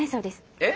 えっ？